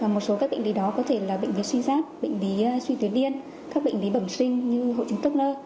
một số các bệnh lý đó có thể là bệnh lý suy giáp bệnh lý suy tuyến điên các bệnh lý bẩm sinh như hội chứng tốc nơ